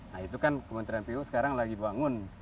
nah itu kan kementerian pu sekarang lagi bangun